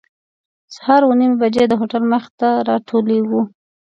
سهار اوه نیمې بجې د هوټل مخې ته راټولېږو.